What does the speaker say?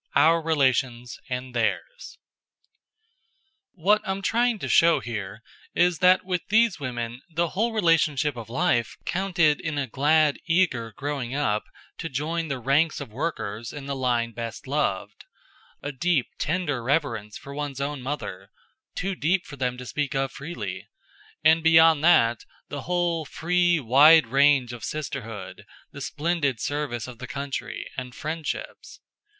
Our Relations and Theirs What I'm trying to show here is that with these women the whole relationship of life counted in a glad, eager growing up to join the ranks of workers in the line best loved; a deep, tender reverence for one's own mother too deep for them to speak of freely and beyond that, the whole, free, wide range of sisterhood, the splendid service of the country, and friendships.